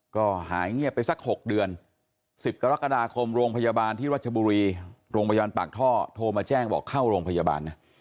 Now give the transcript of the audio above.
ก็หายเงียบไปสัก๖เดือน๑๐กรกฎาคมโรงพยาบาลที่รัชบุรีโรงพยาบาลปากท่อโทรมาแจ้งบอกเข้าโรงพยาบาลนะ